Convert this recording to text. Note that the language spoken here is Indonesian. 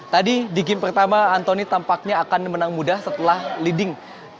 tadi di game pertama antoni tampaknya akan menang mudah setelah leading